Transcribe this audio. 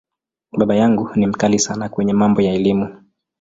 Baba yangu ni ‘mkali’ sana kwenye mambo ya Elimu.